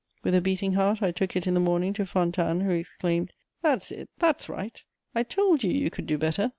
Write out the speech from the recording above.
With a beating heart, I took it in the morning to Fontanes, who exclaimed: "That's it, that's right! I told you you could do better!"